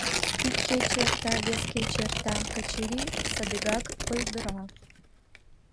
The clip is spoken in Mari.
Ик кече эрта, вес кече эрта — Качырий садыгак ойгыра.